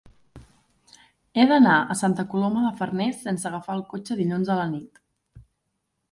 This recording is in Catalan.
He d'anar a Santa Coloma de Farners sense agafar el cotxe dilluns a la nit.